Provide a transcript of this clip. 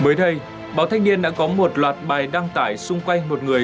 mới đây báo thanh niên đã có một loạt bài đăng tải xung quanh một người